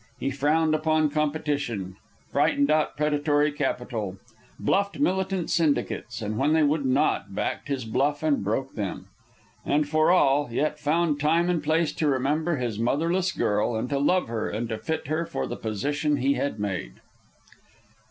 He frowned upon competition; frightened out predatory capital; bluffed militant syndicates, and when they would not, backed his bluff and broke them. And for all, yet found time and place to remember his motherless girl, and to love her, and to fit her for the position he had made.